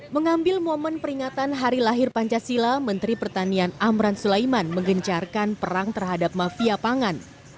mengambil momen peringatan hari lahir pancasila menteri pertanian amran sulaiman menggencarkan perang terhadap mafia pangan